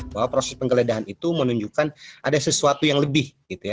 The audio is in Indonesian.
bahwa proses penggeledahan itu menunjukkan ada sesuatu yang lebih